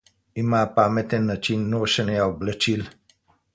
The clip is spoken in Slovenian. Ima pameten način nošenja oblačil.